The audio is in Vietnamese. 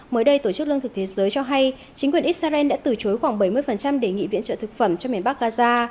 mới đây tổ chức lương thực thế giới cho hay chính quyền israel đã từ chối khoảng bảy mươi đề nghị viện trợ thực phẩm cho miền bắc gaza